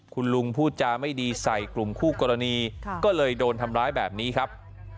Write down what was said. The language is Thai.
คุณลุงพูดจาไม่ดีใส่กลุ่มคู่กรณีก็เลยโดนทำร้ายแบบนี้ครับ